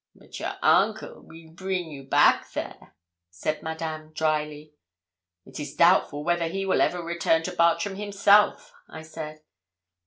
'But your uncle weel bring you back there,' said Madame, drily. 'It is doubtful whether he will ever return to Bartram himself,' I said.